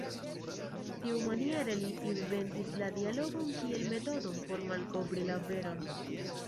Tiumaniere li inventis la dialogon kiel metodon por malkovri la veron.